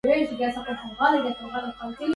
سكنت قلبي وفيه منك أسرار